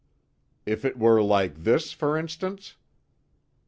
"If it were like this, for instance?"